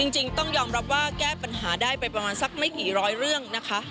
จริงต้องยอมรับว่าแก้ปัญหาได้ไปประมาณสักไม่กี่ร้อยเรื่องนะคะ